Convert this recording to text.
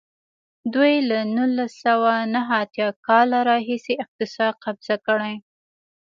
دوی له نولس سوه نهه اتیا کال راهیسې اقتصاد قبضه کړی.